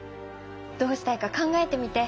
どうしたいか考えてみて。